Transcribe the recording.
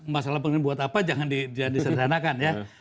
masalah pengen buat apa jangan disederhanakan ya